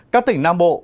các tỉnh nam bộ